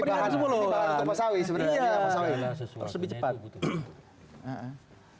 ya harus lebih cepat